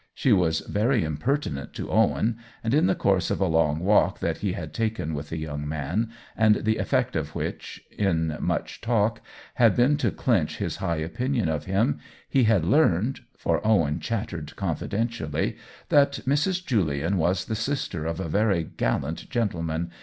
She was very impertinent to Owen, and in the course of a long walk that he had taken with the young man, and the effect of which, in much talk, had been to clinch his high opinion of him, he had learned (for Owen chattered confidentially) that Mrs. Julian was the sister of a very gallant gentleman.